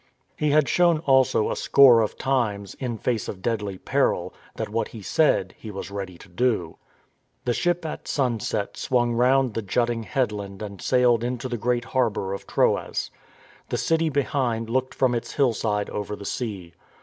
He had shown also a score of times, in face of deadly peril, that what he said he was ready to do. The ship at sunset swung round the jutting head land and sailed into the great harbour of Troas. The city behind looked from its hillside over the sea.